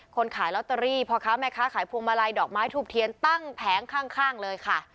ขายลอตเตอรี่พ่อค้าแม่ค้าขายพวงมาลัยดอกไม้ทูบเทียนตั้งแผงข้างเลยค่ะ